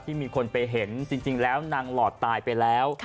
มีคนไปเห็นจริงแล้วนางหลอดตายไปแล้ว